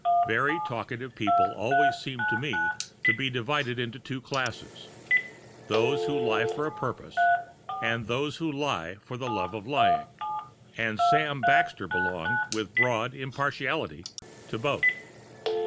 Very talkative people always seemed to me to be divided into two classes those who lie for a purpose and those who lie for the love of lying; and Sam Baxter belonged, with broad impartiality, to both.